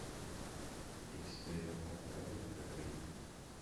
Expert-comptable agréé.